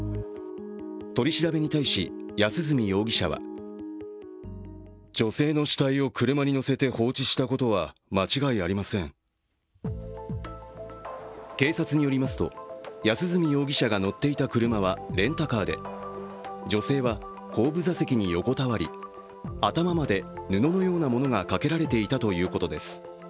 取り調べに対し、安栖容疑者は警察によりますと安栖容疑者が乗っていた車はレンタカーで、女性は後部座席に横たわり、頭まで布のようなものがかけられていたということです。